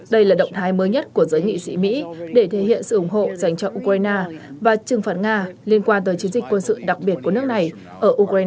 đây là động thái mới nhất của giới nghị sĩ mỹ để thể hiện sự ủng hộ dành cho ukraine và trừng phạt nga liên quan tới chiến dịch quân sự đặc biệt của nước này ở ukraine